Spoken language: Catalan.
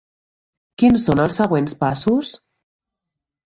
Quins són els següents passos?